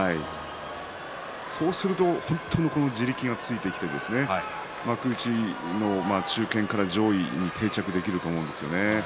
そうすると本当に地力がついてきて幕内の中堅から上位に定着できると思うんですよね。